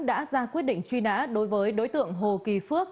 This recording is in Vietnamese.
đã ra quyết định truy nã đối với đối tượng hồ kỳ phước